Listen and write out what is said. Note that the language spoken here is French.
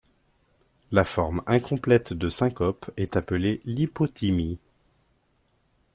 La forme incomplète de syncope est appelée lipothymie.